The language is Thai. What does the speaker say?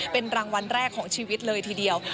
เป็นรางวัลแรกของชีวิตเลยทีเดียว